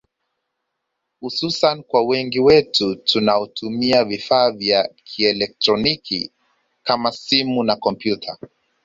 hususan kwa wengi wetu tunaotumia vifaa vya kielectroniki kama simu na kompyuta